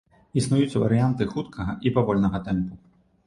Існуюць варыянты хуткага і павольнага тэмпу.